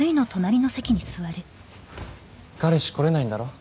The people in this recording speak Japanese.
彼氏来れないんだろ？